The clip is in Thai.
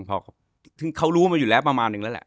พ่อเขารู้ว่ามันอยู่แล้วประมาณนึงแล้วแหละ